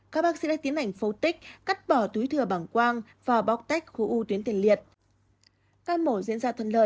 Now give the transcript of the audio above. các bác sĩ đã tiến hành phẫu tích cắt bỏ túi thừa bảng quang và bóc tách khối u tuyến tiền liệt